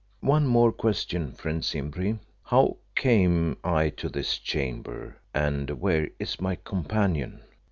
"One more question, friend Simbri. How came I to this chamber, and where is my companion?"